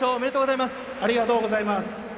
ありがとうございます。